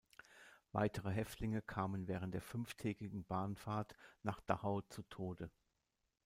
Weitere Häftlinge kamen während der fünftägigen Bahnfahrt nach Dachau zu Tode.